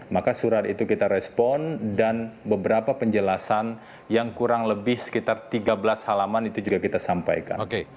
maka surat itu kita respon dan beberapa penjelasan yang kurang lebih sekitar tiga belas halaman itu juga kita sampaikan